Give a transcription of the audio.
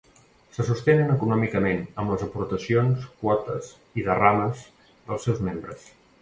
Se sostenen econòmicament amb les aportacions, quotes i derrames dels seus membres.